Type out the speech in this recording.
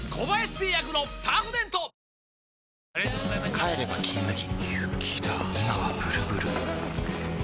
帰れば「金麦」